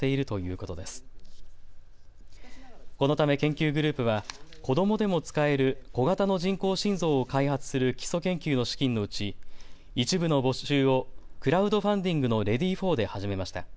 このため研究グループは子どもでも使える小型の人工心臓を開発する基礎研究の資金のうち一部の募集をクラウドファンディングのＲＥＡＤＹＦＯＲで始めました。